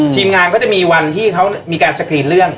ทีมงานก็จะมีวันที่เขามีการสกรีนเรื่อง